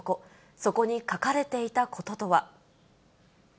そこに書かれていたこととは。